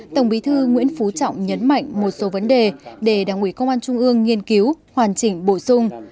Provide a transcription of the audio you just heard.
tổng bí thư nguyễn phú trọng nhấn mạnh một số vấn đề để đảng ủy công an trung ương nghiên cứu hoàn chỉnh bổ sung